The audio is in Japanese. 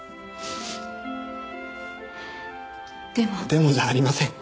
「でも」じゃありません。